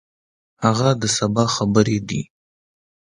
هغه د سبا خبرې دي.